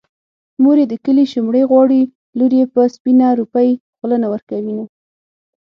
مور يې د کلي شومړې غواړي لور يې په سپينه روپۍ خوله نه ورکوينه